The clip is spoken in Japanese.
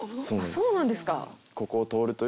そうなんですか。